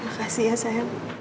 makasih ya sayang